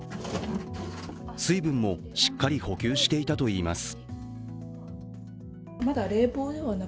水分もしっかり補給していたといいます。